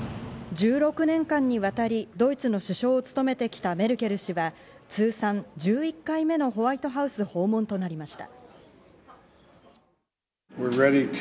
１６年間にわたりドイツの首相を務めてきたメルケル氏は、通算１１回目のホワイトハウス訪問となりました。